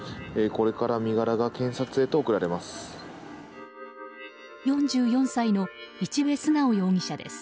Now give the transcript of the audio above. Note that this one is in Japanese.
これから身柄が検察へと送られます。